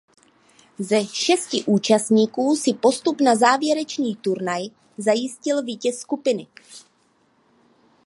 Ze šesti účastníků si postup na závěrečný turnaj zajistil vítěz skupiny.